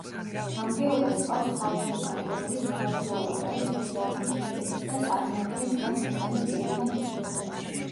გამგეობას ჰყავს თავმჯდომარე, რომელიც ამავდროულად არის მოძრაობის ლიდერიც და წარმოადგენს მას მესამე პირებთან ურთიერთობაში.